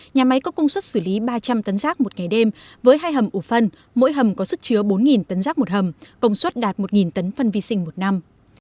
nhà máy có công suất xử lý ba trăm linh tấn rác một ngày đêm với hai hầm ủ phân mỗi hầm có sức chứa bốn tấn rác một hầm công suất đạt một tấn phân vi sinh một năm